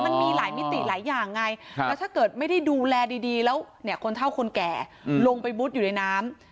มันมีหลายมิติหลายอย่างไงแล้วถ้าเกิดไม่ได้ดูแลดีแล้วเนี่ยคนเท่าคนแก่ลงไปมุดอยู่ในน้ำ